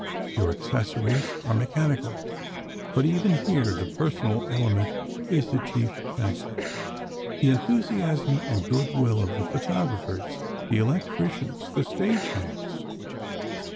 Your accessories are mechanical, but even here, the personal element is a chief factor—the enthusiasm and good will of the photographers, the electricians, the stage hands.